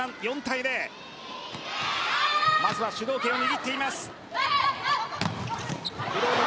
まず主導権を握っています。